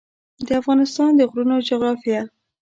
د افغانستان د غرونو جغرافیه